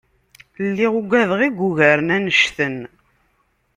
Lliɣ ugadeɣ i yugaren annect-en.